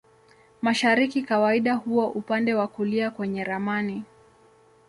Mashariki kawaida huwa upande wa kulia kwenye ramani.